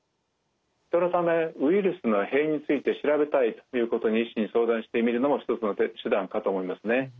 そのためウイルスの変異について調べたいということを医師に相談してみるのも一つの手段かと思いますね。